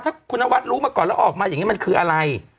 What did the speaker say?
ถ้าคุณนวัดรู้มาก่อนแล้วออกมาอย่างนี้มันคืออะไร